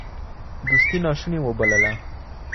دوستي ناشوني وبلله